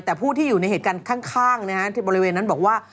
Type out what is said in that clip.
แต่ผู้ที่อยู่ในเหตุการณ์ข้างที่บริเวณนั้นบอกว่า